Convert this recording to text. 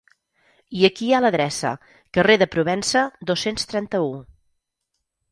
I aquí hi ha l'adreça, carrer de Provença, dos-cents trenta-u.